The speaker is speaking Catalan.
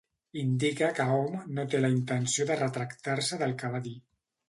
Indica que hom no té la intenció de retractar-se del que va dir.